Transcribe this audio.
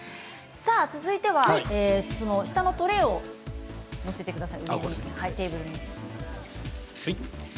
続いては、下のトレーを上に載せてください。